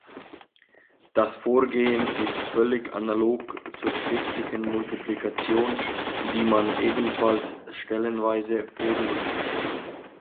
Das Vorgehen ist völlig analog zur schriftlichen Multiplikation, die man ebenfalls stellenweise vornimmt.